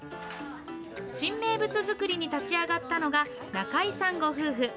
新名物作りに立ち上がったのが、中井さんご夫婦。